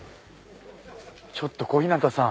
ちょっと小日向さん。